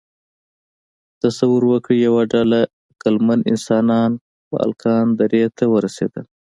تصور وکړئ، یوه ډله عقلمن انسانان بالکان درې ته ورسېدل.